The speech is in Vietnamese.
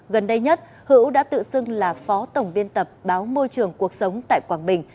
gần đây nhất hữu đã tự xưng là phó tổng biên tập báo môi trường cuộc sống tại quảng bình